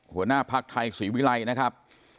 หัวหน้าภาคไทยสวีไวไลนะครับ